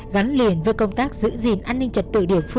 gắn liền với công tác giữ gìn an ninh trật tự điểm